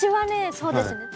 そうですね。